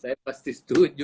saya pasti setuju